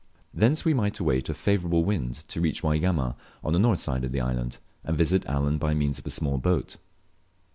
Thence we might await a favourable wind to reach Waigamma, on the north side of the island, and visit Allen by means of a small boat.